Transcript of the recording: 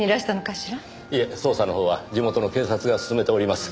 いえ捜査のほうは地元の警察が進めております。